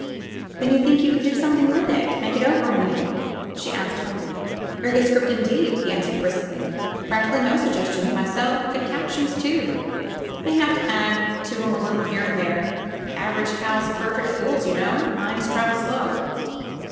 Then you think you could do something with it — ^make it over, I mean?" she asked humbly. Very good 'script, indeed," he answered briskly, practically no suggestions, myself. Good captions, too — ^may have to add to 'em a little here and there. Aver age house perfect fools, you know. Minds travel slow."